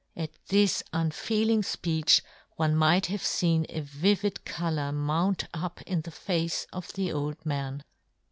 At this un feeling fpeech one might have feen a vivid colour mount up in the face of the old man.